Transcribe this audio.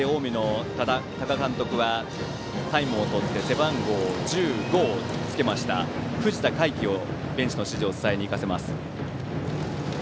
このタイミングで近江の多賀監督タイムをとって背番号１５をつけました藤田海輝にベンチの指示を伝えに行かせました。